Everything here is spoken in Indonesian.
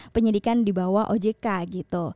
penyidikan di bawah ojk gitu